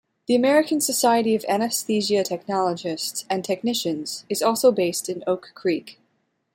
The American Society of Anesthesia Technologists and Technicians is also based in Oak Creek.